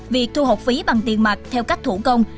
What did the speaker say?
việc thu học phí bằng tiền mặt theo cách thủ công